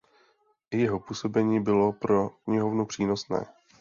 I jeho působení bylo pro knihovnu přínosné.